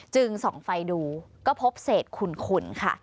ส่องไฟดูก็พบเศษขุนค่ะ